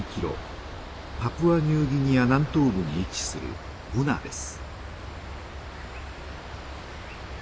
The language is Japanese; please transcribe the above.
パプアニューギニア南東部に位置するブナです。